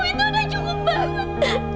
itu udah cukup banget